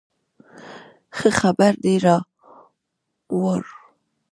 ښه خبر دې راوړ